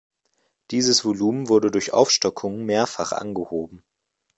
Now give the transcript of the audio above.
Dieses Volumen wurde durch Aufstockungen mehrfach angehoben.